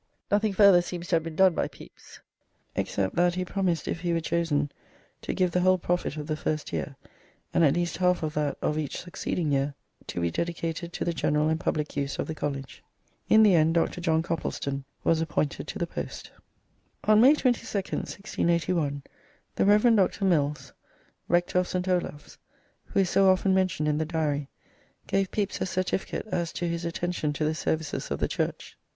Nothing further seems to have been done by Pepys, except that he promised if he were chosen to give the whole profit of the first year, and at least half of that of each succeeding year, to "be dedicated to the general and public use of the college." In the end Dr. John Coplestone was appointed to the post. On May 22nd, 1681, the Rev. Dr. Milles, rector of St. Olave's, who is so often mentioned in the Diary, gave Pepys a certificate as to his attention to the services of the Church.